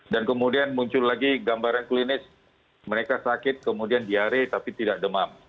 dan kemudian muncul lagi gambaran klinis mereka sakit kemudian diare tapi tidak demam